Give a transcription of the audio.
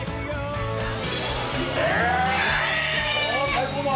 最高だ。